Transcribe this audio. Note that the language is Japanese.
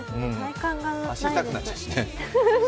足、痛くなっちゃうしね。